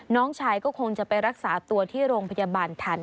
น้องชายก็คงจะไปรักษาตัวที่โรงพยาบาลทัน